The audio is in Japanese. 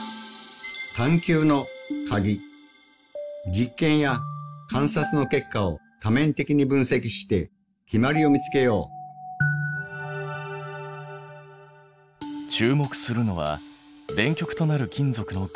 実験や観察の結果を多面的に分析して決まりを見つけよう注目するのは電極となる金属の組み合わせ。